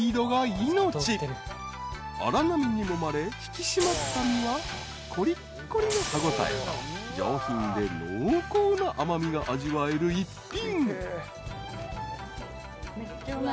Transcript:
［荒波にもまれ引き締まった身はこりっこりの歯応えと上品で濃厚な甘味が味わえる一品］